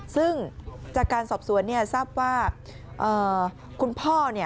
ซึ่งจากการสอบสวนทราบว่าคุณพ่อ